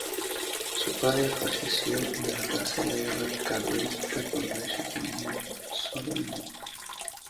Su padre falleció en la Tercera Guerra Carlista cuando ella tenía solo un año.